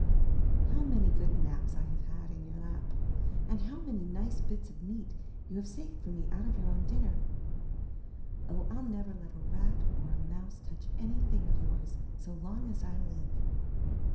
How many good naps I have had in your lap! and how many nice bits of meat you have saved for me out of your own dinner! Oh, FU never let a rat, or a mouse, touch any thing of yours so long as I live.